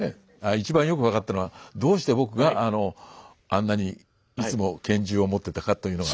一番よく分かったのはどうして僕があんなにいつも拳銃を持ってたかというのが。